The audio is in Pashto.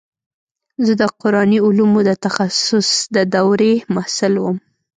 زه د قراني علومو د تخصص د دورې محصل وم.